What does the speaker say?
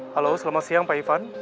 halo selamat siang pak ivan